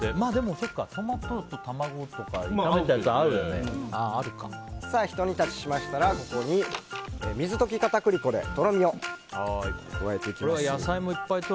そうか、トマトと卵をひと煮立ちしましたらここに水溶き片栗粉でとろみを加えていきます。